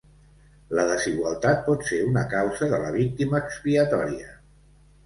La desigualtat pot ser una causa de la víctima expiatòria.